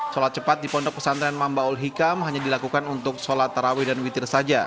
sholat cepat di pondok pesantren mambaul hikam hanya dilakukan untuk sholat tarawih dan witir saja